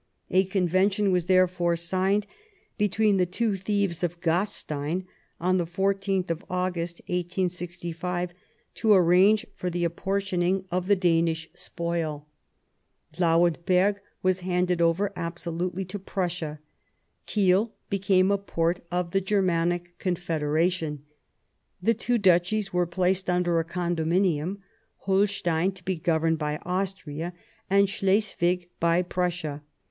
A Convention was therefore signed between the two thieves at Gastein, on the 14th of August, 1865, to arrange for the apportionment of the 74 The First Passage of Arms Danish spoil : Lauenberg was handed over abso lutely to Prussia ; Kiel became a port of the Germanic Confederation ; the two Duchies were placed under a Condo^ninium, Holstein to be governed by Austria and Slesvig by Prussia.